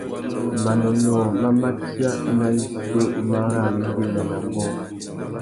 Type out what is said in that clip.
Manônōh má matia nà wissú mà ru awéngüéwina nà ambōh.